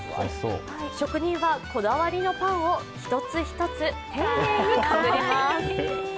職人はこだわりのパンを一つ一つ丁寧に作ります。